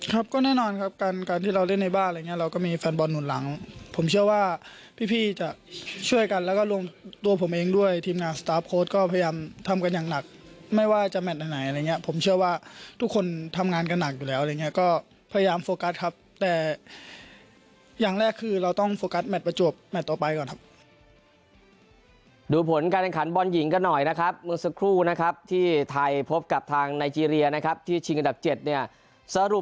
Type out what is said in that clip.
ครับก็แน่นอนครับการการที่เราเล่นในบ้านอะไรอย่างเงี้ยเราก็มีแฟนบอลหนุนหลังผมเชื่อว่าพี่พี่จะช่วยกันแล้วก็รวมตัวผมเองด้วยทีมงานก็พยายามทำกันอย่างหนักไม่ว่าจะแมทไหนอะไรอย่างเงี้ยผมเชื่อว่าทุกคนทำงานกันหนักอยู่แล้วอะไรอย่างเงี้ยก็พยายามฟอกัสครับแต่อย่างแรกคือเราต้องฟอกัสแมทประจวบแมทต่อไปก่อนคร